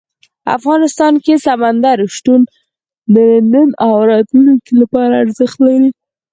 افغانستان کې سمندر نه شتون د نن او راتلونکي لپاره ارزښت لري.